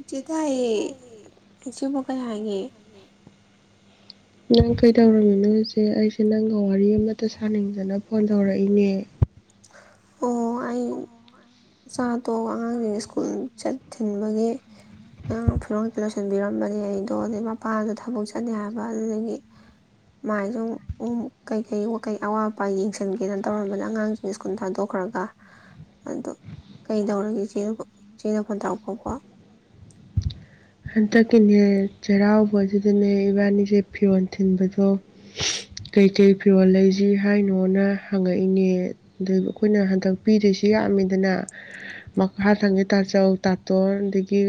ꯏꯆꯦ ꯇꯥꯏꯌꯦ ꯏꯆꯦꯕꯨ ꯀꯩ ꯍꯥꯏꯒꯦ꯫ ꯅꯣꯏꯁꯦ ꯑꯩꯁꯦ ꯅꯪꯒ ꯋꯥꯔꯤ ꯑꯃꯇ ꯁꯥꯅꯤꯡꯗꯅ ꯐꯣꯟ ꯇꯧꯔꯛꯏꯅꯦ꯫ ꯑꯣ ꯑꯩ ꯏꯆꯥꯗꯣ ꯑꯉꯥꯡꯒꯤ ꯁ꯭ꯀꯨꯜ ꯆꯠ ꯊꯤꯟꯕꯒꯤ ꯑꯥꯡ ꯐꯤꯕꯝꯗ ꯂꯣꯏꯁꯤꯟꯕꯤꯔꯝꯕꯅꯦ ꯑꯩꯗꯣ ꯑꯗꯩ ꯃꯄꯥꯗ ꯊꯕꯛ ꯆꯠꯅꯤ ꯍꯥꯏꯕ ꯑꯗꯨꯗꯒꯤ ꯃꯥꯏꯁꯨ ꯀꯩꯀꯩ ꯀꯩ ꯑꯋꯥꯠ ꯑꯄꯥ ꯌꯦꯡꯁꯟꯒꯦꯅ ꯇꯧꯔꯝꯕꯗ ꯑꯉꯥꯡ ꯁ꯭ꯀꯨꯜ ꯊꯥꯗꯣꯛꯈ꯭ꯔꯒ ꯑꯗꯨ ꯀꯩꯗꯧꯔꯒꯦ ꯏꯆꯦ ꯏꯆꯦꯅ ꯐꯣꯟ ꯇꯧꯔꯛꯄꯀꯣ ꯍꯟꯗꯛꯀꯤꯅꯦ ꯆꯔꯥꯎꯕꯖꯗꯅꯦ ꯏꯕꯥꯅꯤꯁꯦ ꯐꯤꯔꯣꯟ ꯊꯤꯟꯕꯗꯣ ꯀꯩ ꯀꯩ ꯐꯤꯔꯣꯜ ꯂꯩꯁꯦ ꯍꯥꯏꯅꯣꯅ ꯍꯪꯉꯛꯏꯅꯦ ꯑꯗꯨꯩ ꯑꯩꯈꯣꯏꯅ ꯍꯟꯗꯛ ꯄꯤꯗꯣꯏꯁꯨ ꯌꯥꯝꯃꯤꯗꯅ ꯃꯈꯥ ꯊꯪꯉꯦ ꯇꯥꯆꯧ ꯇꯥꯇꯣꯟ ꯑꯗꯒꯤ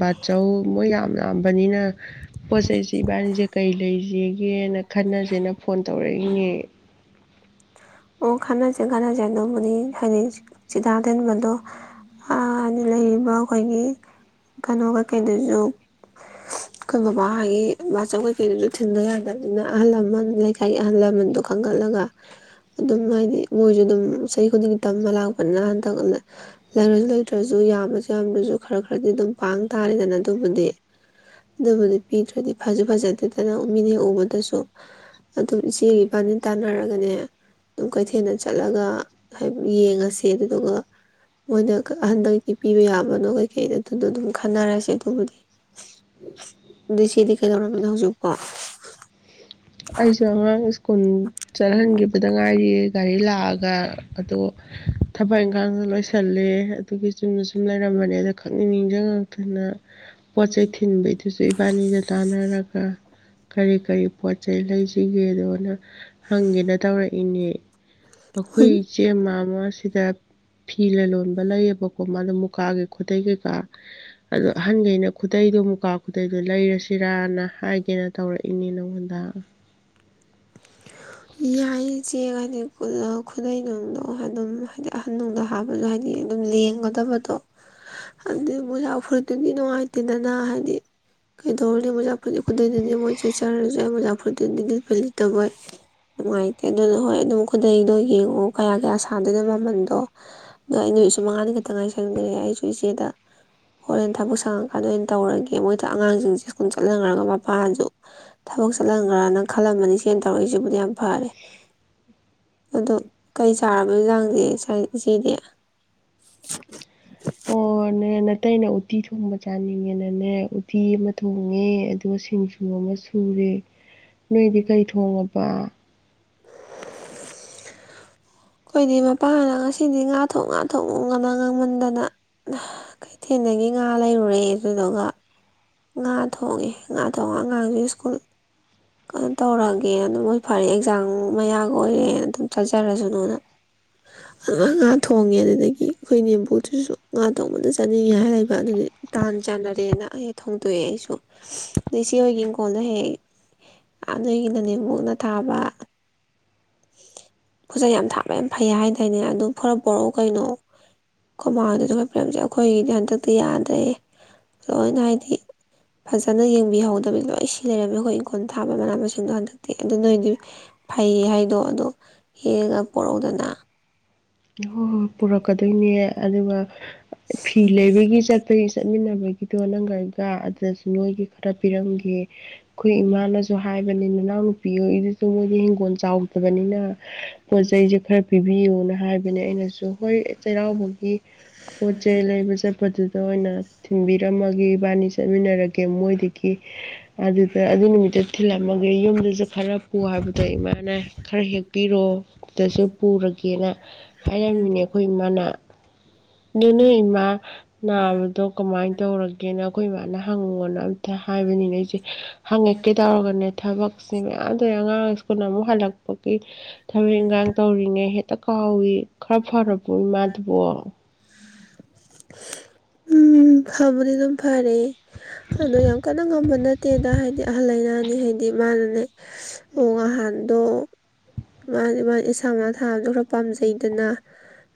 ꯕꯥ ꯆꯧ ꯃꯣꯏ ꯌꯥꯝꯅ ꯄꯥꯝꯕꯅꯤꯅ ꯄꯣꯠ ꯆꯩꯁꯤꯕꯥꯅꯤꯁꯦ ꯀꯩ ꯂꯩꯁꯤ ꯒꯦꯅ ꯈꯟꯅꯁꯦꯅ ꯐꯣꯟ ꯇꯧꯔꯛꯏꯅꯦꯦ ꯈꯠꯅꯁꯦ ꯈꯥꯟꯅꯁꯦ ꯑꯗꯨꯕꯨꯗꯤ ꯍꯥꯏꯗꯤ ꯆꯤꯗꯥꯛ ꯊꯤꯟꯕꯗꯣ ꯍꯥꯏꯗꯤ ꯂꯩꯔꯤꯕ ꯑꯩꯈꯣꯏꯒꯤ ꯀꯩꯅꯣ ꯀꯩꯀꯩꯗꯨꯁꯨ ꯑꯩꯈꯣꯏ ꯕꯕꯥꯒꯤ ꯃꯕꯥꯆꯧ ꯀꯩꯀꯩꯗꯨꯁꯨ ꯊꯤꯟꯕ ꯌꯥꯗꯕꯅꯤꯅ ꯑꯍꯜ ꯂꯃꯟ ꯂꯩꯀꯥꯏꯒꯤ ꯑꯍꯜ ꯂꯃꯟꯗꯣ ꯈꯟꯒꯠꯂꯒ ꯑꯗꯨꯝ ꯍꯥꯏꯗꯤ ꯃꯣꯏꯁꯨ ꯑꯗꯨꯝ ꯆꯍꯤ ꯈꯨꯗꯤꯡꯒꯤ ꯇꯝꯕ ꯂꯥꯛꯄꯅꯤꯅ ꯍꯟ ꯇꯒꯠꯂꯦ ꯂꯥꯏꯔ ꯂꯩꯇ꯭ꯔꯁꯨ ꯌꯥꯝꯕ ꯑꯦꯛꯖꯥꯝꯗꯨꯁꯨ ꯈꯔ ꯈꯔꯗꯤ ꯑꯗꯨꯝ ꯄꯥꯡ ꯇꯥꯔꯦꯗꯅ ꯑꯗꯨꯕꯨꯗꯤ ꯑꯗꯨꯕꯨꯗꯤ ꯄꯤꯗ꯭ꯔꯗꯤ ꯐꯖ ꯐꯖꯗꯦꯗꯅ ꯃꯤꯅꯦ ꯎꯕꯗꯁꯨ ꯑꯗꯨꯝ ꯏꯆꯦꯒꯤ ꯏꯕꯥꯅꯤ ꯇꯥꯟꯅꯔꯒꯅꯦ ꯑꯗꯨꯝ ꯀꯩꯊꯦꯜꯗ ꯆꯠꯂꯒ ꯍꯥꯏ ꯌꯦꯡꯉꯁꯦ ꯑꯗꯨꯗꯨꯒ ꯃꯣꯏꯅ ꯍꯟꯗꯛꯇꯤ ꯄꯤꯕ ꯌꯥꯕꯅꯣ ꯀꯩꯀꯩꯗ ꯑꯗꯨꯗ ꯑꯗꯨꯝ ꯈꯟꯅꯔꯁꯦ ꯑꯗꯨꯕꯨꯗꯤ ꯑꯗꯤ ꯁꯤꯗꯤ ꯀꯩꯗꯧꯔꯝꯃꯤꯅꯣ ꯍꯧꯖꯤꯛꯀꯣ ꯑꯩꯁꯨ ꯑꯉꯥꯡ ꯁ꯭ꯀꯨꯜ ꯆꯠꯍꯟꯈꯤꯕꯗ ꯉꯥꯏꯔꯤꯌꯦ ꯒꯥꯔꯤ ꯂꯥꯛ ꯑꯒ ꯑꯗꯨ ꯊꯕꯛ ꯏꯪꯈꯥꯡꯗ ꯂꯣꯏꯁꯤꯟ ꯆꯜꯂꯦ ꯑꯗꯨꯒꯤ ꯆꯨꯝꯅ ꯁꯨꯝ ꯂꯩꯔꯝꯕꯅꯦ ꯑꯗꯣ ꯈꯪꯅꯤꯡꯅꯤꯡꯖꯉꯛꯇꯅ ꯄꯆꯥꯏ ꯊꯅ ꯩꯗꯤꯁꯦ ꯄꯅꯤꯗ ꯇꯥꯟꯅꯔꯒ ꯀꯔꯤ ꯀꯔꯤ ꯄꯣꯠ ꯆꯩꯩ ꯂꯩꯁꯤꯒꯦ ꯑꯗꯨꯣ ꯍꯪꯒꯦꯅ ꯇꯧꯔꯛꯏꯅꯦ ꯍꯣꯏ ꯑꯩꯈꯣꯏ ꯏꯆꯦ ꯃꯥ ꯑꯃ ꯁꯤꯗ ꯐꯤ ꯂꯂꯣꯟꯕ ꯂꯩꯌꯦꯕꯀꯣ ꯃꯥꯗ ꯃꯨꯀꯥꯒꯤꯩ ꯈꯨꯗꯩ ꯀꯩꯀꯥ ꯑꯗꯣ ꯑꯍꯟꯈꯩꯅ ꯈꯨꯗꯗꯣ ꯃꯨꯀꯥ ꯑꯗꯨꯗꯏꯗꯨ ꯂꯩꯔꯁꯤꯔꯅ ꯍꯥꯏꯒꯦꯅ ꯇꯧꯔꯛꯏꯅꯦ ꯅꯉꯣꯟꯗ ꯌꯥꯏꯁꯦ ꯀꯗꯤ ꯈꯨ ꯈꯨꯗꯩꯅꯨꯡꯗꯣ ꯑꯗꯨꯝ ꯍꯥꯏꯗꯤ ꯑꯍꯟꯅꯨꯡꯗꯣ ꯍꯥꯕꯁꯨ ꯍꯥꯏꯗꯤ ꯑꯗꯨꯝ ꯂꯦꯡꯒꯗꯕꯗꯣ ꯑꯗꯨ ꯃꯣꯖꯥ ꯐꯨꯔꯤꯠꯇꯨꯗꯤ ꯅꯨꯡꯉꯥꯏꯇꯦꯗꯅ ꯍꯥꯏꯗꯤ ꯀꯩꯗꯧꯔꯅꯤ ꯃꯣꯖꯥ ꯐꯨꯔꯤꯠꯇ ꯈꯨꯗꯩꯗꯨꯗꯤ ꯃꯣꯏ ꯆꯦꯠꯆꯔꯁꯨ ꯌꯥ ꯃꯣꯖꯥ ꯐꯨꯔꯤꯠꯇꯨꯗꯤ ꯂꯤ ꯄꯜꯂꯤ ꯑꯗꯨꯕꯨꯣꯏ ꯅꯨꯡꯉꯥꯏꯇꯦ ꯑꯗꯨꯅ ꯍꯣꯏ ꯑꯗꯨꯝ ꯈꯨꯗꯩꯗꯣ ꯌꯦꯡꯉꯣ ꯀꯌꯥ ꯀꯌꯥ ꯁꯥꯗꯣꯏꯅꯣ ꯃꯃꯟꯗꯣ ꯅ ꯅꯨꯃꯤꯠꯁꯨ ꯃꯉꯥ ꯈꯛꯇꯉꯥꯏꯁꯦ ꯈꯟꯈ꯭ꯔꯦ ꯑꯩꯁꯨ ꯏꯆꯦꯗ ꯍꯣꯔꯦꯟ ꯊꯕꯛ ꯁꯪꯉꯀꯥꯟꯗ ꯑꯣꯏꯅ ꯇꯧꯔꯒꯦ ꯃꯣꯏꯗ ꯑꯉꯥꯡꯁꯤꯡꯁꯦ ꯁ꯭ꯀꯨꯜ ꯆꯠꯍꯟꯈ꯭ꯔꯒ ꯃꯄꯥꯅꯁꯨ ꯊꯕꯛ ꯆꯠꯍꯟꯈ꯭ꯔꯅ ꯈꯜꯂꯝꯕꯅꯤ ꯆꯦꯟ ꯇꯧꯔꯛꯏꯁꯤꯕꯨꯗꯤ ꯌꯥꯝ ꯐꯔꯦ ꯑꯣ ꯀꯩ ꯆꯥꯔꯕ ꯆꯥꯡꯁꯦ ꯁꯤꯗꯤ [inaudible] ꯑꯣ ꯅꯦꯅ ꯑꯇꯩꯩꯅ ꯎꯇꯤ ꯊꯣꯡꯕ ꯆꯥꯅꯤꯡꯉꯦꯅꯅꯦ ꯎꯠꯇꯤ ꯑꯃ ꯊꯣꯡꯉꯦ ꯑꯗꯨꯒ ꯁꯤꯡꯖꯨ ꯑꯃ ꯁꯨꯔꯦ ꯅꯣꯏꯗꯤ ꯀꯩ ꯊꯣꯡꯒ ꯄ ꯑꯩꯈꯣꯏꯗꯤ ꯃꯄꯥꯅ ꯉꯁꯤꯗꯤ ꯉꯥ ꯊꯣꯡ ꯉ ꯊꯣꯡꯉ ꯉꯅ ꯉꯥꯡꯃꯟꯗꯅ ꯀꯩꯊꯦꯜꯗꯒꯤ ꯉꯥ ꯂꯩꯔꯨꯔꯦ ꯑꯗꯨꯗꯨꯒ ꯉꯥ ꯊꯣꯡꯉꯦ ꯉꯥ ꯊꯣꯡꯉ ꯑꯉꯥꯡꯁꯨ ꯁ꯭ꯀꯨꯜ ꯀꯩꯅꯣ ꯇꯧꯔꯛꯑꯒꯦ ꯑꯗꯨꯝꯣꯏ ꯐꯔꯦ ꯑꯦꯛꯖꯥꯝ ꯃꯌꯥꯒ ꯑꯣꯏꯔꯦ ꯑꯗꯨꯝ ꯆꯠꯆꯔꯁꯨ ꯅꯣꯅ ꯑꯉ ꯉꯥ ꯊꯣꯡꯉꯦ ꯑꯗꯨꯗꯒꯤ ꯑꯩꯈꯣꯏ ꯅꯦꯝꯕꯨ ꯑꯗꯨꯁꯨ ꯉꯥ ꯇꯣꯡꯕꯗ ꯇꯅꯤ ꯍꯥꯏ ꯂꯩꯕ ꯑꯗꯨꯗꯤ ꯇꯥꯟ ꯆꯥꯟꯅꯔꯦꯅ ꯑꯩ ꯐꯣꯡꯗꯣꯛꯑꯦ ꯑꯩꯁꯨ ꯑꯗꯩ ꯁꯤ ꯍꯣꯏꯒꯤ ꯏꯪꯈꯣꯜꯗ ꯍꯦꯛ ꯌꯥꯝ ꯅꯣꯏꯒꯤꯅꯅꯦ ꯃꯨꯛꯅ ꯊꯥꯕ [inaudible] ꯄꯣꯠꯖꯩ ꯌꯥꯝ ꯊꯥꯕ ꯌꯥꯝ ꯐꯩ ꯍꯥꯏꯇꯥꯏꯅꯦ ꯑꯗꯨꯝ ꯐꯔꯞ ꯄꯣꯔꯛꯎ ꯀꯩꯅꯣ ꯀꯃꯥꯡꯗꯗ ꯑꯩꯣꯏ ꯐꯂꯝꯁꯦ ꯑꯩꯈꯣꯏꯒꯤꯗꯤ ꯍꯟꯗꯛꯇꯤ ꯌꯥꯗꯦ ꯑꯗꯨꯅ ꯍꯥꯏꯗꯤ ꯐꯖꯅ ꯌꯦꯡꯕꯤꯍꯧꯗꯕꯤꯗꯣ ꯑꯩꯁꯦ ꯁꯤ ꯂꯩꯔꯝꯃꯤ ꯑꯩꯈꯣꯏ ꯏꯪꯈꯣꯜ ꯊꯥ ꯃꯅꯥ ꯃꯁꯤꯡꯗꯣ ꯍꯟꯗꯛ ꯑꯗꯨꯅꯗꯤ ꯐꯩ ꯍꯥꯏꯗꯣ ꯑꯗꯣ ꯍꯦꯛꯒ ꯄꯣꯔꯛꯗꯅ ꯍꯣꯏ ꯍꯣꯏ ꯄꯨꯔꯛꯀꯗꯣꯏꯅꯦ ꯑꯗꯨꯒ ꯐꯤ ꯂꯩꯕꯒꯤ ꯆꯠꯄꯒꯤ ꯆꯠꯃꯤꯟꯅꯕꯒꯤꯗꯣ ꯅꯪꯒꯥꯏ ꯀ ꯅꯣꯏꯒꯤ ꯈꯔ ꯄꯤꯔꯝꯒ ꯑꯩꯈꯣꯏ ꯏꯃꯥꯅꯁꯨ ꯍꯥꯏꯕ ꯕꯅꯤ ꯅꯨꯅꯥꯎ ꯅꯨꯄꯤ ꯑꯣꯏꯣ ꯑꯩꯗꯨꯁꯨ ꯃꯣꯏꯒꯤ ꯍꯤꯡꯒꯣꯜ ꯆꯥꯎꯗꯕꯅꯤꯅ ꯃꯣꯖꯩꯁꯦ ꯈꯔ ꯄꯤꯕꯤꯌꯨꯅ ꯍꯥꯏꯕ ꯑꯗꯨ ꯑꯩꯅꯁꯨ ꯍꯣꯏ ꯆꯩꯔꯥꯎꯕꯒꯤ ꯄꯣꯠ ꯆꯩ ꯂꯩꯕ ꯆꯠꯄꯗꯨꯗ ꯑꯣꯏꯅ ꯊꯤꯟꯕꯤꯔꯝꯃꯒꯦ ꯏꯕꯥꯅꯤ ꯆꯠꯃꯤꯟꯅꯔꯒꯦ ꯃꯣꯏꯗꯒꯤ ꯑꯗꯨꯗ ꯑꯗꯨ ꯅꯨꯃꯤꯠꯇ ꯊꯤꯜꯂꯝꯃꯒꯦ ꯌꯨꯝꯗ ꯊꯥꯔꯄꯨ ꯍꯥꯏꯕꯗꯨ ꯑꯗ ꯏꯃꯥꯅ ꯈꯔ ꯍꯦꯛꯄꯤꯔꯣ ꯗꯁꯨ ꯄꯨꯔꯒꯦꯅ ꯍꯥꯏꯔꯝꯃꯤꯅꯦ ꯑꯩꯈꯣꯏ ꯃꯅꯥ ꯑꯗꯨ ꯅꯣꯏ ꯏꯃꯥ ꯅꯥꯕꯗꯣ ꯀꯃꯥꯏꯅ ꯇꯧꯔꯒꯦꯅ ꯑꯩꯈꯣꯏꯃꯥꯥꯅ ꯍꯪꯉꯉꯣꯅ ꯑ ꯍꯥꯏꯕꯅꯤꯅꯦ ꯑꯩꯁꯦ ꯍꯪꯉꯛꯀꯦ ꯇꯧꯔꯒꯅꯦ ꯊꯕꯛ ꯁꯤ ꯃꯌꯥꯝ ꯇꯧ ꯑꯉꯥꯡ ꯁ꯭ꯀꯨꯜ ꯑꯃꯨꯛ ꯍꯜꯂꯛꯄꯒꯤ ꯊꯕꯛ ꯏꯪꯈꯥꯡ ꯇꯧꯔꯤꯉꯩ ꯇ ꯀꯑꯣꯋꯤ ꯈꯔ ꯐꯔꯕꯤ ꯃꯥꯗꯨꯕꯣ ꯎꯝ ꯐꯕꯨꯗꯤ ꯑꯗꯨꯝ ꯐꯔꯦ ꯑꯗꯣ ꯌꯥꯝ ꯀꯟꯅ ꯉꯝꯕ ꯅꯠꯇꯦꯗ ꯍꯥꯏꯗꯤ ꯑꯍꯜ ꯂꯩꯅꯥꯅꯤ ꯍꯥꯏꯗꯤ ꯃꯥꯅꯅꯦ ꯃꯥ ꯃꯥ ꯏꯁꯥꯃꯛ ꯊꯥꯕꯗ ꯈꯔ ꯄꯥꯝꯖꯩꯗꯅ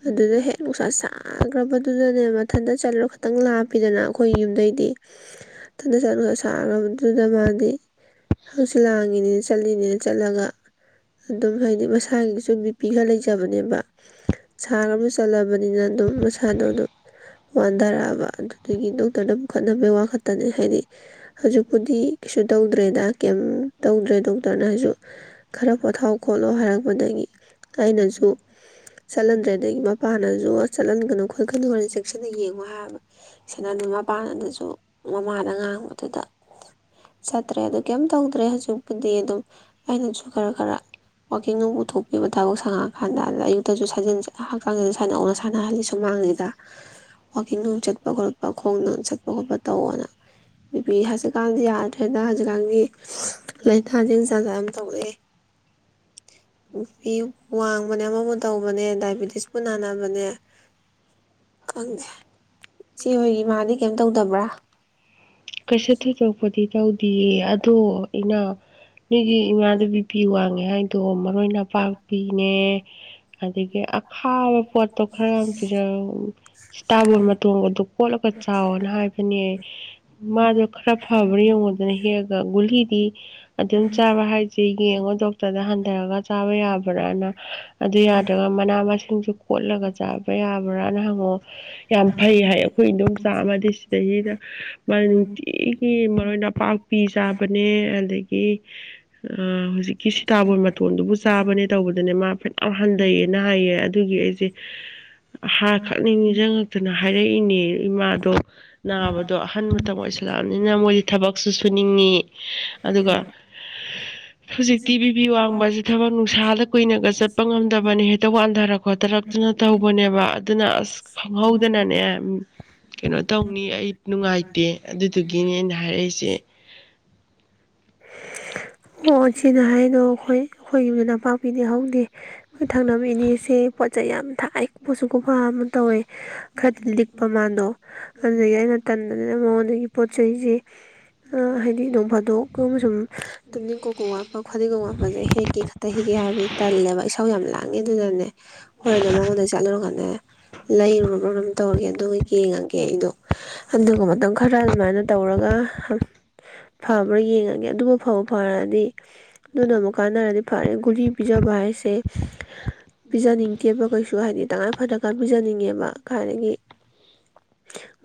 ꯑꯗꯨꯗ ꯍꯦꯛ ꯅꯨꯡꯁꯥ ꯁꯥꯈ꯭ꯔꯕꯗꯨꯗꯅꯦꯕ ꯃꯊꯟꯇ ꯆꯠꯂꯨꯔ ꯈꯈꯤꯇꯪ ꯂꯥꯞꯄꯤꯗꯅ ꯑꯩꯈꯣꯏ ꯌꯨꯝꯗꯩꯗꯤ ꯊꯟꯗ ꯆꯠꯂꯒ ꯁꯥꯔꯕꯗꯨꯗ ꯃꯥꯗꯤ ꯍꯪꯆꯤ ꯂꯥꯡꯉꯤꯅꯤꯅ ꯆꯠꯂꯤꯅꯤꯅ ꯆꯠꯂꯒ ꯑꯗꯨꯝ ꯍꯥꯏꯗꯤ ꯃꯁꯥꯒꯤꯁꯨ ꯕꯤꯄꯤꯒ ꯂꯩꯖꯕꯅꯦꯕ ꯁꯥꯔ ꯑꯃꯨ ꯆꯠꯂꯕꯅꯤꯅ ꯑꯗꯨꯝ ꯃꯁꯥꯗꯣ ꯑꯗꯨꯝ ꯋꯥꯟꯊꯔꯛꯑꯕ ꯑꯗꯨꯗꯒꯤ ꯗꯣꯛꯇꯔꯗ ꯑꯃꯈꯠꯅꯕꯩ ꯋꯥꯈꯠꯇꯅꯦ ꯍꯥꯏꯗꯤ ꯍꯧꯖꯤꯛꯄꯨꯗꯤ ꯀꯩꯁꯨ ꯇꯧꯗ꯭ꯔꯦꯗ ꯀꯩꯝ ꯇꯧꯗ꯭ꯔꯦ ꯗꯣꯛꯇꯔꯅꯁꯨ ꯈꯔ ꯄꯣꯊꯥꯎ ꯈꯣꯠꯂꯣ ꯍꯥꯏꯔꯛꯄꯗꯒꯤ ꯑꯩꯅꯁꯨ ꯆꯠꯍꯟꯗ꯭ꯔꯦ ꯑꯗꯒꯤ ꯃꯄꯥꯟꯅꯁꯨ ꯆꯠꯍꯟꯒꯅꯨ ꯈꯣꯠꯀꯅꯨ ꯍꯥꯏ ꯆꯦꯛꯁꯤꯟꯅ ꯌꯦꯡꯕ ꯍꯥꯏꯕ ꯁꯅ ꯃꯄꯥꯟꯅꯅꯁꯨ ꯃꯃꯥꯗ ꯉꯥꯡꯕꯗꯨꯗ ꯆꯠꯇ꯭ꯔꯦ ꯑꯗꯨ ꯀꯩꯝ ꯇꯧꯗ꯭ꯔꯦ ꯍꯧꯖꯤꯛꯄꯨꯗꯤ ꯑꯗꯨꯝ ꯑꯩꯅꯁꯨ ꯈꯔ ꯈꯔ ꯋꯥꯀꯤꯡ ꯃꯨꯡ ꯄꯨꯊꯣꯛꯄꯤꯕ ꯊꯕꯛ ꯁꯪꯉꯑꯀꯥꯟꯗ ꯑꯌꯨꯛꯇꯁꯨ ꯁꯥꯖꯟꯁꯦ ꯍꯛꯆꯥꯡ ꯅꯧꯅ ꯁꯥꯟꯅꯍꯜꯂꯤ ꯁꯨꯃꯥꯡ ꯂꯤꯗ ꯋꯥꯛꯀꯤꯡ ꯅꯨꯡ ꯆꯠꯄ ꯈꯣꯠꯄ ꯈꯣꯡ ꯅꯨꯡ ꯆꯠꯄ ꯈꯣꯠꯄ ꯇꯧꯅ ꯑꯗꯨꯄꯤ ꯍꯧꯖꯤꯛꯀꯥꯟꯗꯤ ꯌꯥꯗ꯭ꯔꯦꯅ ꯍꯧꯖꯤꯛꯀꯥꯟꯒꯤ ꯂꯩ ꯊꯥꯖꯦꯟ ꯆꯥꯖ ꯑꯃ ꯇꯧ ꯅꯨ ꯐꯤ ꯋꯥꯡꯕꯅꯦ ꯑꯃꯃ ꯇꯧꯕꯅꯦ ꯗꯥꯏꯕꯦꯇꯤꯁꯄꯨ ꯅꯥꯟꯅ ꯑꯗꯨꯅꯦ ꯈꯪꯗꯦ ꯏꯆꯦꯍꯣꯏ ꯑꯦꯃꯥꯗꯤ ꯀꯩꯝ ꯇꯧꯗꯕ꯭ꯔꯥ ꯆꯧꯗꯤꯌꯦ ꯇꯣ ꯏꯅꯥꯏ ꯃꯤꯒꯤ ꯏꯃꯥꯗꯨ ꯕꯤꯄꯤ ꯋꯥꯡꯉꯦ ꯍꯥꯏꯗꯣ ꯃꯔꯣꯏ ꯅꯄꯥꯛꯄꯤꯅꯦ ꯑꯗꯒꯤ ꯑꯈꯥꯕ ꯄꯣꯠꯇꯣ ꯈꯔ ꯄꯤ ꯁꯤꯇꯥꯕ ꯀꯣꯠꯂꯒ ꯆꯥꯎꯅ ꯍꯥꯏꯕꯅꯦ ꯃꯥꯗꯣ ꯈꯔ ꯐꯕ꯭ꯔꯥ ꯌꯦꯡꯉꯨꯗꯅ ꯍꯦꯛꯑꯒ ꯄꯨꯍꯤꯗꯤ ꯑꯗꯨꯝ ꯆꯥꯕ ꯍꯥꯏꯁꯦ ꯌꯦꯡꯉꯣ ꯗꯣꯛꯇꯔꯗ ꯍꯟꯊꯔꯒ ꯆꯥꯕ ꯌꯥꯕ ꯕꯔꯅ ꯑꯗꯨ ꯌꯥꯗ꯭ꯔꯒ ꯃꯅꯥ ꯃꯁꯤꯡ ꯨꯡ ꯀꯣꯠꯂꯒ ꯆꯥꯕ ꯌꯥꯕ ꯃꯔꯅ ꯍꯪꯉꯣ ꯌꯥꯝ ꯐꯩ ꯍꯥꯏ ꯑꯩꯈꯣꯏ ꯏ ꯑꯗꯨꯝ ꯆꯥꯝꯃꯗꯤ ꯁꯤꯗꯩꯁꯤꯗ ꯅꯨꯡꯇꯤꯒꯤ ꯃꯔꯣꯏ ꯅꯄꯥꯛꯄꯤ ꯆꯥꯕꯅꯦ ꯑꯗꯒꯤ ꯍ ꯑ ꯍꯧꯖꯤꯛꯀꯤ ꯁꯤꯇꯥꯕꯣꯟ ꯃꯇꯣꯟꯗꯨꯕꯨ ꯆꯥꯕꯅꯦ ꯇꯧꯕꯗꯅꯦ ꯃꯥ ꯐꯅ ꯍꯟꯊꯩꯑꯌꯦꯅ ꯍꯥꯏꯌꯦ ꯑꯗꯨꯒꯤ ꯑꯩꯁꯦ ꯍꯥꯔ ꯀꯥꯅꯤꯡꯉꯖ ꯍꯥꯏꯔꯛꯏꯅꯦ ꯃꯥꯗꯣ ꯅꯥꯕꯗꯣ ꯑꯍꯟ ꯃꯇꯝ ꯑꯣꯏꯁꯜꯂꯛꯑꯅꯤꯅ ꯃꯣꯏꯗꯤ ꯊꯕꯛꯁꯨ ꯁꯨꯅꯤꯡꯉꯤ ꯑꯗꯨꯒ ꯍꯧꯖꯤꯛꯇꯤ ꯕꯤꯕꯤꯤ ꯋꯥꯡꯕꯁꯦ ꯊꯕꯛ ꯅꯨꯡꯁꯥꯗ ꯀꯨꯏꯅꯒ ꯆꯠꯄ ꯉꯝꯗꯕꯅꯤ ꯍꯦꯛꯇ ꯋꯥꯟꯊꯔꯛ ꯈꯣꯊꯔꯛꯇꯨꯅ ꯇꯧꯕꯅꯦꯕ ꯑꯗꯨꯅ ꯑꯁ ꯍꯧꯗ ꯅꯅꯦ ꯎ ꯀꯩꯅꯣ ꯇꯧꯅꯤ ꯑꯩ ꯅꯨꯡꯉꯥꯏꯇꯦ ꯑꯗꯨꯗꯨꯒꯤꯅꯦ ꯑꯩꯅ ꯍꯥꯏꯔꯛꯏꯁꯦ ꯑꯣ‌ ꯏꯆꯦꯅ ꯍꯥꯏꯗꯨ ꯑꯩꯈꯣꯏꯒꯤꯁꯨ ꯅꯄꯥꯛꯄꯤꯗꯤ ꯍꯧꯅꯤ ꯑꯩꯈꯣꯏ ꯊꯥꯡꯅꯕꯩ ꯏꯅꯤꯁꯦ ꯄꯠ ꯆ ꯌꯥꯝ ꯊꯥꯛꯑꯄꯠꯁꯨ ꯀꯣꯄ ꯑꯃ ꯇꯧꯋꯦ ꯈꯔ ꯂꯤꯛꯄ ꯃꯜꯗꯣ ꯑꯗꯨꯗꯒꯤ ꯑꯩꯅ ꯇ ꯍ [unintelligible] ꯑꯗꯨꯒꯤ ꯄꯣꯠ ꯆꯩꯁꯦ ꯍꯥꯏꯗꯤ ꯅꯣꯡ ꯐꯥꯗꯣꯛ ꯁꯨꯝ ꯇꯨꯝꯅꯤꯡꯀꯣꯛ ꯄꯨ ꯋꯥꯠꯄ ꯐꯥꯗꯤꯒꯣꯝ ꯋꯥꯠꯄꯁꯦ ꯍꯦꯛꯀꯦ ꯈꯛꯇ ꯍꯦꯛꯒꯦ ꯍꯥꯏꯕ ꯇꯜꯂꯦꯕ ꯌꯥꯝ ꯂꯥꯡꯉꯦ ꯑꯗꯨꯗꯅꯦ ꯍꯣꯔꯦꯟꯗ ꯃꯉꯣꯟꯗ ꯆꯠꯂꯨꯔꯀꯥꯟꯅꯦ ꯂꯩꯔꯨꯔꯔꯕꯝ ꯇꯧꯔꯒꯦ ꯑꯗꯨꯒ ꯌꯦꯡꯉꯒꯦ ꯑꯩꯗꯣ ꯑꯗꯨꯒ ꯃꯇꯝ ꯈꯔ ꯑꯗꯨꯃꯥꯏꯅ ꯇꯧꯔꯒ ꯐꯝ ꯐꯧ ꯐꯔꯅꯤ ꯑꯗꯨꯅ ꯑꯃꯨꯛ ꯀꯥꯟꯅꯔꯗꯤ ꯐꯔꯦ ꯒꯨꯔꯤ ꯄꯤꯖꯕ ꯍꯥꯏꯁꯦ ꯄꯤꯖꯅꯤꯡꯗꯦꯕ ꯀꯩꯁꯨ ꯍꯥꯏꯗꯤ ꯇꯉꯥꯏ ꯐꯗꯒ ꯄꯤꯖꯅꯤꯡꯉꯦꯕ ꯍꯥꯟꯅꯒꯤ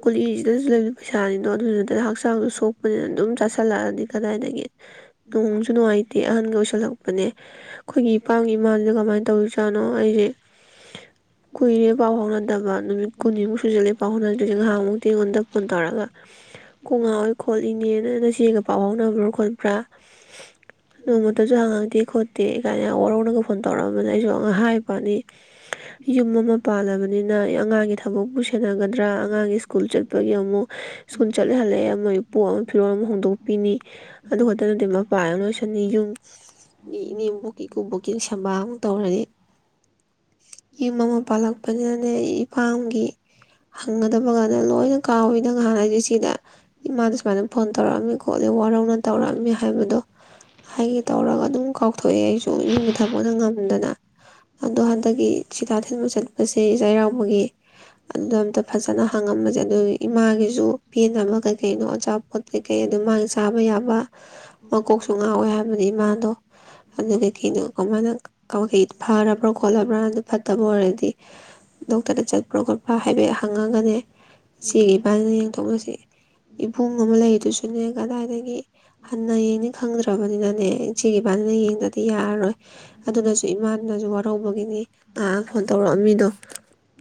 ꯀꯨꯂꯤꯁꯤꯗꯁꯨ ꯂꯩꯕ ꯄꯩꯁꯥ ꯑꯗꯣ ꯑꯗꯨꯗꯨꯗꯅ ꯍꯛꯆꯥꯡꯖꯨ ꯁꯣꯛꯄꯅꯤꯅ ꯑꯗꯨꯝ ꯆꯥꯁꯤꯜꯂꯛꯑ ꯀꯗꯥꯏꯅꯗꯒꯤꯦ ꯅꯣꯡꯁꯨ ꯅꯨꯡꯉꯥꯏꯇꯦ ꯑꯍꯟꯒ ꯑꯣꯏꯁꯜꯂꯛꯄꯅꯦ ꯑꯩꯈꯣꯏꯒꯤ ꯏꯄꯥꯝꯒꯤ ꯏꯃꯥꯟꯗꯅ ꯀꯃꯥꯏꯅ ꯇꯧꯔꯤ ꯆꯥꯠꯅꯣ ꯑꯩꯗꯤ ꯀꯨꯏꯔꯦ ꯄꯥꯎꯐꯥꯎꯅꯗꯕ ꯅꯨꯃꯤꯠ ꯀꯨꯟꯅꯤꯃꯨꯛ ꯁꯨꯖꯜꯂꯦ ꯄꯥꯎ ꯐꯥꯎꯅꯗꯤ ꯉꯥꯍꯥꯟꯃꯨꯛ ꯑꯩꯉꯣꯟꯗ ꯐꯣꯟ ꯇꯧꯔꯒ ꯀꯣꯡꯉꯥꯎꯑꯣꯏ ꯈꯣꯠꯂꯤꯅꯦꯅ ꯅꯆꯦꯒ ꯐꯥꯎꯅꯕ꯭ꯔꯥ ꯀꯣꯠꯕ꯭ꯔ ꯅꯣꯡꯃꯇꯁꯨ ꯍꯥꯡꯉꯛꯇꯦ ꯈꯣꯠꯇꯦ ꯀꯥꯏꯅ ꯋꯥꯔꯧ ꯅ ꯐꯣꯟ ꯇꯧꯔꯛꯑꯝꯕꯅ ꯑꯩꯁꯨ ꯑ ꯍꯥꯏꯕ ꯄꯅꯤ ꯌꯨꯝ ꯑꯃ ꯄꯥꯜꯂꯕꯅꯤꯅ ꯑꯉꯥꯡꯒꯤ ꯊꯕꯛꯄꯨ ꯁꯦꯟꯅꯒꯗ꯭ꯔꯥ ꯑꯉꯥꯡꯒꯤ ꯁ꯭ꯀꯨꯜ ꯆꯠꯄꯒꯤ ꯑꯃꯨꯛ ꯁꯀꯨꯜ ꯆꯠꯂꯦ ꯍꯜꯂꯛꯑꯦ ꯃꯣꯏ ꯐꯤꯔꯣꯜ ꯑꯃꯨꯣꯡꯗꯣꯛ ꯄꯤꯅꯤ ꯑꯗꯨ ꯈꯛꯇ ꯅꯠꯇ ꯃꯄꯥ ꯂꯣꯏ ꯑꯅꯤ ꯌꯨꯝ ꯃꯤ ꯏꯅꯦꯝꯕꯣꯛꯀꯤ ꯏꯀꯨꯕꯣꯛꯀꯤ ꯁꯦ ꯕꯥꯥ ꯑꯃꯨꯛ ꯇꯧꯔꯅꯤ ꯌꯨꯝ ꯄꯥꯜꯂꯛꯄꯅꯤꯅꯅꯦ ꯏꯄꯥꯥꯝꯒꯤ ꯍꯪꯒꯗꯕ ꯀꯥꯟꯗ ꯂꯣꯏꯅ ꯀꯥꯎꯋꯤ ꯅꯉꯍꯥꯟꯅ ꯍꯥꯏꯁꯦ ꯁꯤꯗ ꯏꯃꯥꯗ ꯁꯨꯃꯥꯏꯅ ꯐꯣꯟ ꯇꯧꯔꯛꯑꯝꯃꯤꯀꯣ ꯈꯣꯠꯂꯦ ꯋꯥꯔꯧꯅ ꯇꯧꯔꯛꯑꯝꯃꯦ ꯍꯥꯏꯕꯗꯣ ꯍꯥꯏꯒꯦ ꯇꯧꯔꯒ ꯑꯗꯨꯝ ꯀꯥꯎꯊꯣꯛꯑꯦ ꯑꯩꯁꯨ ꯌꯨꯝꯒꯤ ꯊꯕꯛꯅ ꯉꯝꯗꯅ ꯑꯗꯣ ꯍꯟꯗꯛꯀꯤ ꯁꯤꯤꯇꯥ ꯊꯤꯟꯕ ꯆꯠꯄꯁꯦ ꯆꯩꯔꯥꯎꯕꯒꯤ ꯑꯗꯨꯗ ꯑꯝꯇ ꯐꯖꯅ ꯍꯥꯡꯉꯝꯃꯁꯦ ꯑꯗꯨ ꯏꯃꯥꯒꯤꯁꯨ ꯄꯦꯟꯅꯕ ꯀꯩꯀꯩꯅꯣ ꯑꯆꯥꯄꯣꯠ ꯀꯩꯀꯩ ꯑꯗꯨ ꯃꯥꯅ ꯆꯥꯕ ꯌꯥꯕ ꯃꯀꯣꯛꯁꯨ ꯉꯥꯎꯋꯦ ꯍꯥꯏꯕꯅꯤ ꯃꯥꯗꯣ ꯑꯗꯨ ꯀꯩ ꯀꯅꯣ ꯀꯃꯥꯏꯅ ꯐꯔꯕ꯭ꯔꯥ ꯈꯣꯠꯂꯕ꯭ꯔꯥ ꯑꯗꯨ ꯐꯠꯇꯕ ꯑꯣꯏꯔꯗꯤ ꯗꯣꯛꯇꯔꯗ ꯆꯠꯄ꯭ꯔꯥ ꯈꯣꯠꯄ꯭ꯔꯥ ꯍꯥꯏꯐꯦꯠ ꯍꯪꯉꯒꯅꯦ ꯏꯆꯦ ꯏꯕꯥꯟꯅꯤꯅ ꯌꯦꯡꯊꯣꯛꯅꯁꯤ ꯏꯕꯨꯡ ꯑꯃ ꯂꯩ ꯁꯨꯅꯦ ꯀꯗꯥꯏꯗꯒꯤ ꯍꯟꯅ ꯌꯦꯡꯅꯤ ꯈꯪꯗ꯭ꯔꯕꯅꯤꯅꯅꯦ ꯏꯆꯦꯒꯤ ꯏꯕꯥꯅꯤꯅ ꯌꯦꯡꯅꯗꯤ ꯌꯥꯔꯔꯣꯏ ꯑꯗꯨꯅꯁꯨ ꯏꯃꯥꯅꯁꯨ ꯋꯥꯔꯧꯕꯒꯤꯅꯤ ꯉꯍꯥꯛ ꯐꯣꯟ ꯇꯧꯔꯛꯑꯝꯃꯤꯗꯣ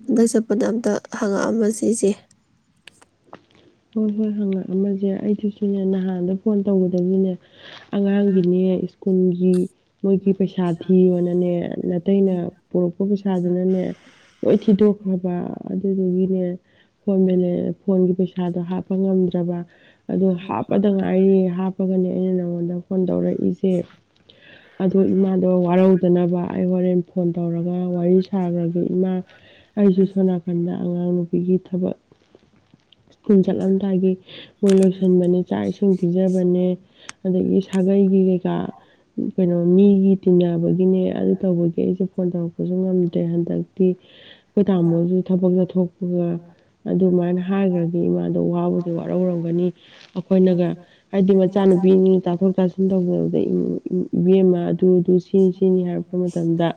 ꯑꯗ ꯆꯠꯄꯗ ꯑꯝꯇ ꯍꯪꯉꯛꯑꯝꯃ ꯁꯤꯁꯦ ꯍꯣꯏ ꯍꯣꯏ ꯍꯪꯉꯛ ꯑꯃꯁꯦ ꯑꯩꯗꯨꯁꯨꯅꯦ ꯅꯍꯥꯟꯗ ꯐꯣꯟ ꯇꯧꯒꯗꯕꯒꯤꯅꯦ ꯑꯉꯥꯡꯒꯤꯅꯦ ꯁ꯭ꯀꯨꯜꯒꯤ ꯃꯣꯏꯒꯤ ꯄꯩꯁꯥ ꯊꯤꯌꯣꯅꯅꯦ ꯅꯥꯇꯩꯅ ꯄꯔꯛꯄ ꯄꯩꯁꯥꯗꯨꯅꯅꯦ ꯂꯣꯏ ꯊꯤꯗꯣꯛꯈ꯭ꯔꯕ ꯑꯗꯨ ꯑꯗꯨꯒꯤꯅꯦ ꯐꯣꯟ ꯃꯦ ꯐꯣꯟꯒꯤꯦꯁ ꯑꯗꯣ ꯍꯥꯄꯝꯗ ꯆꯕ ꯑꯗꯨ ꯍꯥꯞꯄꯗ ꯉꯥꯏꯔꯤꯌꯦ ꯍꯥꯞꯄꯒꯅꯦ ꯑꯩꯅ ꯅꯪꯉꯣꯟꯗ ꯐꯣꯟ ꯇꯧꯔꯛꯏꯁꯦ ꯑꯗꯣ ꯏꯃꯥꯗꯣ ꯋꯥꯔꯧ ꯐꯗꯅꯕ ꯑꯩ ꯍꯣꯔꯦꯟ ꯐꯣꯟ ꯇꯧꯔꯒ ꯋꯥꯔꯤ ꯁꯥꯈ꯭ꯔꯒ ꯏꯃꯥ ꯑꯩꯁꯨ ꯁꯣꯅꯥꯀꯟꯗ ꯑꯉꯥꯡ ꯅꯨꯄꯥ ꯑꯩꯒꯤ ꯊꯕꯛ ꯁ꯭ꯀꯨꯜ ꯆꯠꯂꯝꯗꯥꯏꯒꯤ ꯃꯣꯏ ꯂꯣꯏꯁꯤꯟꯕꯅꯦ ꯆꯥꯛ ꯏꯁꯤꯡ ꯄꯤꯖꯕꯅꯦ ꯑꯗꯒꯤ ꯁꯥꯒꯩꯒꯤ ꯀꯩꯀꯥ ꯀꯩꯅꯣ ꯃꯤꯒꯤ ꯇꯤꯟꯅꯅꯕꯒꯤꯅꯦ ꯑꯗꯨ ꯇꯧꯕꯒꯤ ꯑꯩꯁꯦ ꯐꯣꯟ ꯇꯧꯔꯛꯄꯁꯨ ꯉꯝꯗ꯭ꯔꯦ ꯍꯟꯗꯛ ꯗꯤ ꯑꯩꯈꯣꯏ ꯇꯥꯃꯣꯁꯨ ꯊꯕꯛ ꯂꯧꯊꯣꯛꯄꯒ ꯑꯗꯨꯃꯥꯏꯅ ꯍꯥꯏꯈ꯭ꯔ ꯍꯥꯏ ꯏꯃꯥꯗ ꯋꯥꯕꯁꯦ ꯋꯥꯔꯍꯧꯔꯝꯒꯅꯤ ꯑꯩꯈꯣꯏꯅꯒ ꯍꯥꯏꯕꯗꯤ ꯃꯆꯥꯅꯨꯄꯤꯅꯤ ꯇꯥꯊꯣꯛ ꯇꯥꯁꯤ ꯁꯝ ꯇꯧꯖꯕꯗ ꯕꯦꯝ ꯑꯃ ꯑꯗꯨꯗꯨ ꯁꯤꯅꯤ ꯁꯤꯅꯤ ꯍꯥꯏꯔꯛꯄ ꯃꯇꯝꯗ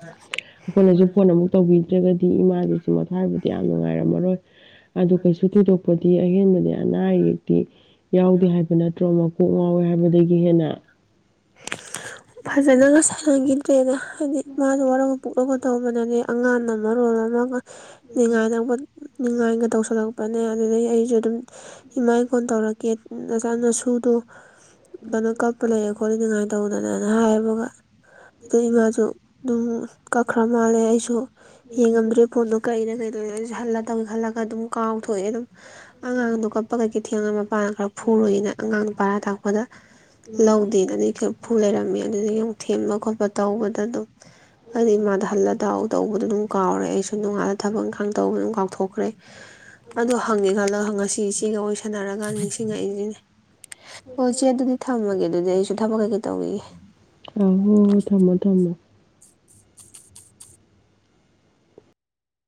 ꯑꯩꯈꯣꯏꯅꯁꯨ ꯐꯣꯟ ꯑꯃꯨꯛ ꯇꯧꯕꯤ ꯖꯒ ꯏꯃꯥꯗꯨꯁꯨ ꯃꯣꯊꯥꯕꯨꯗꯤ ꯌꯥꯝ ꯅꯨꯡꯉꯥꯏꯔꯝꯃꯔꯣꯏ ꯑꯗꯨ ꯀꯩꯁꯨ ꯊꯤꯗꯣꯛ ꯗꯤ ꯑꯍꯦꯟꯕꯗꯤ ꯑꯅꯥ ꯑꯌꯦꯛꯇꯤ ꯌꯥꯎꯗꯦ ꯍꯥꯏꯕ ꯅꯠꯇ꯭ꯔꯣ ꯃꯀꯣꯛ ꯉꯥꯎꯋꯦ ꯍꯥꯏꯕꯗꯒꯤ ꯏ ꯐꯖꯅꯒ ꯁꯥꯟꯅꯈꯤꯗ꯭ꯔꯦꯅ ꯍꯥꯏꯗꯤ ꯃꯥꯗꯣ ꯋꯥꯔꯒ ꯄꯨꯛꯂꯒ ꯈꯣꯠ ꯇꯧꯕꯅꯦ ꯑꯉꯥꯡ ꯑꯃꯣꯜ ꯑꯃ ꯉꯥꯏ ꯉꯥꯏꯒ ꯇꯧꯁꯜꯂꯛꯄꯅꯦ ꯑꯗꯨꯗꯒꯤ ꯑꯩꯁꯨ ꯑꯗꯨꯝ ꯏꯃꯥꯏ ꯀꯣꯟ ꯇꯧꯔꯛꯀꯦ ꯅꯆꯥꯅꯁꯨꯗꯣ ꯎꯝ ꯑꯗꯨ ꯉꯥꯏ ꯇꯧꯗꯅꯅ ꯍꯥꯏꯕꯒ ꯑꯗꯨ ꯏꯃꯥꯁꯨ ꯑꯗꯨꯝ ꯀꯛꯈ꯭ꯔ ꯃꯥꯜꯂꯦ ꯑꯩꯁꯨ ꯌꯦꯡꯉꯝꯗ꯭ꯔꯦ ꯐꯣꯟꯗꯣ ꯀꯔꯤꯩꯅ ꯀꯩꯗꯧꯔ ꯑꯩꯁꯨ ꯍꯜꯂ ꯇꯧꯒꯦ ꯈꯜꯂꯒ ꯑꯗꯨꯝ ꯀꯥꯎꯊꯣꯛꯑꯦ ꯑꯗꯨꯝ ꯑꯉꯥꯡꯗꯣ ꯀꯞꯄꯒꯩꯒꯤ ꯊꯦꯡꯉꯝꯃ ꯅꯨꯄꯥꯅ ꯈꯔ ꯐꯨꯔꯣꯏꯏꯅ ꯑꯉꯥꯡ ꯅꯨꯄꯥꯔꯥ ꯇꯥꯛꯄꯗ ꯂꯧ ꯗꯒꯤ ꯐꯨ ꯂꯩꯔꯝꯃꯦ ꯑꯗꯨꯗꯒꯤ ꯊꯦꯝꯕ ꯈꯣꯠꯄ ꯇꯧꯕꯗ ꯑꯗꯨꯝ ꯑ ꯃꯥꯗꯍꯜꯗꯎ ꯇꯧꯕꯗꯣ ꯑꯗꯨꯝ ꯀꯥꯎꯔꯦ ꯑꯩꯁꯨ ꯅꯣꯡꯉꯥꯂꯗ ꯊꯕꯛ ꯏꯪꯈꯥꯡ ꯇꯧꯕ ꯑꯗꯨꯝ ꯀꯥꯎꯊꯣꯛꯈ꯭ꯔꯦ ꯑꯗꯣ ꯍꯪꯉꯦ ꯈꯜꯂꯒ ꯉꯁꯤ ꯙꯆꯦꯜ ꯋꯥꯔꯤꯁꯥꯟꯅꯔꯀꯥꯟꯗ ꯅꯤꯡꯁꯤꯡ ꯉꯛꯏꯁꯤꯅꯤ꯫ ꯑꯣ ꯆꯦ ꯑꯗꯨꯗꯤ ꯊꯝꯃꯒꯦ ꯑꯗꯨꯗꯤ ꯊꯕꯛ ꯀꯩꯀꯩ ꯇꯧꯒꯤꯒꯦ꯫ ꯑꯥ ꯍꯣꯢ ꯍꯣꯢ ꯊꯝꯃꯣ ꯊꯝꯃꯣ꯫